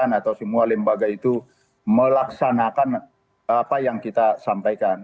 atau semua lembaga itu melaksanakan apa yang kita sampaikan